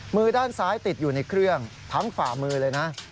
มือด้านซ้ายติดอยู่ในเครื่องทั้งฝ่ามือเลยนะ